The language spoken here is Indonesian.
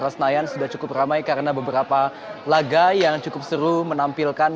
senayan sudah cukup ramai karena beberapa laga yang cukup seru menampilkan